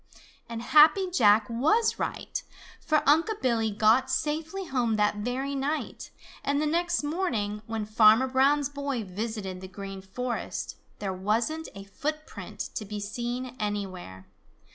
And Happy Jack was right, for Unc' Billy got safely home that very night, and the next morning, when Farmer Brown's boy visited the Green Forest, there wasn't a footprint to be seen anywhere.